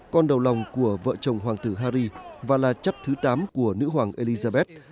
con đầu lòng của vợ chồng hoàng tử hari và là chấp thứ tám của nữ hoàng elizabeth